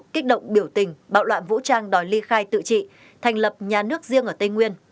kích động biểu tình bạo loạn vũ trang đòi ly khai tự trị thành lập nhà nước riêng ở tây nguyên